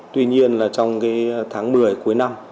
tuy nhiên là trong cái tháng một mươi cuối năm